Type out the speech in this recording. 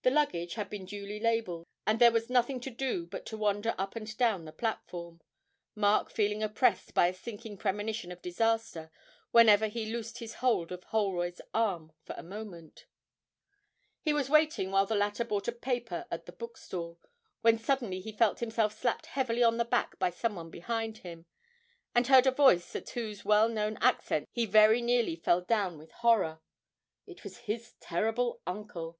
The luggage had been duly labelled, and there was nothing to do but to wander up and down the platform, Mark feeling oppressed by a sinking premonition of disaster whenever he loosed his hold of Holroyd's arm for a moment. He was waiting while the latter bought a paper at the bookstall, when suddenly he felt himself slapped heavily on the back by some one behind him, and heard a voice at whose well known accents he very nearly fell down with horror. It was his terrible uncle!